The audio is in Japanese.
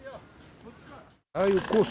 ああいうコース